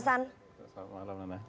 selamat malam nana